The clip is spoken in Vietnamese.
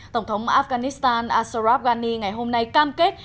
tổng thống afghanistan ashraf ghani ngày hôm nay cam kết